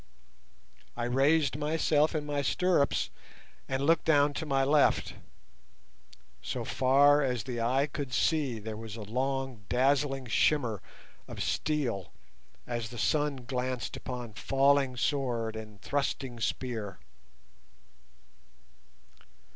I raised myself in my stirrups and looked down to my left; so far as the eye could see there was a long dazzling shimmer of steel as the sun glanced upon falling sword and thrusting spear.